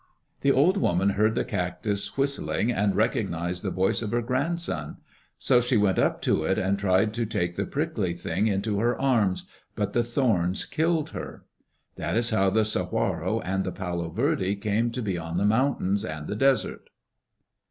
The old woman heard the cactus whistling and recognized the voice of her grandson. So she went up to it and tried to take the prickly thing into her arms, but the thorns killed her. That is how the saguaro and the palo verde came to be on the mountains and the desert.